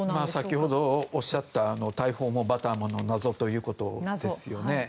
先ほど、おっしゃった大砲もバターもの謎ということですよね。